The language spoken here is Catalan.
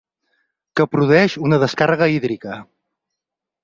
Que produeix una descàrrega hídrica.